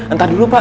entar dulu pak